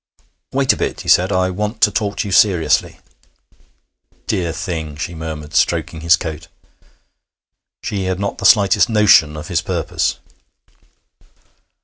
'Wait a bit,' he said; 'I want to talk to you seriously.' 'Dear thing!' she murmured, stroking his coat. She had not the slightest notion of his purpose.